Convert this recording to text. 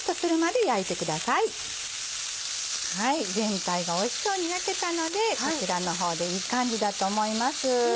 全体がおいしそうに焼けたのでこちらの方でいい感じだと思います。